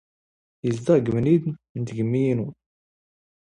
ⵉⵣⴷⵖ ⴳ ⵎⵏⵉⴷ ⵏ ⵜⴳⵎⵎⵉ ⵉⵏⵓ.